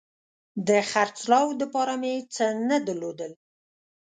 د خرڅلاو دپاره مې څه نه درلودل